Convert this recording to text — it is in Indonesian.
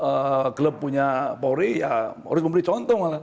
meskipun itu mungkin klub punya pori ya harus memberi contoh